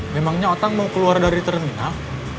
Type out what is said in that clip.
memangnya otak mau keluar dari terminal